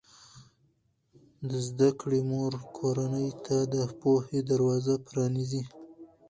د زده کړې مور کورنۍ ته د پوهې دروازه پرانیزي.